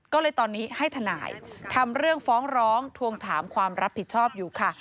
ก็เลยตอนนี้ให้ทนายทำเรื่องฟ้องร้องทวงถามความรับผิดชอบอยู่ค่ะ